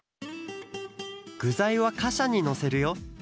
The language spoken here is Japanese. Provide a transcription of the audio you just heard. ぐざいはかしゃにのせるよ。